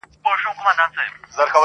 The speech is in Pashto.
• خو توپیر یې -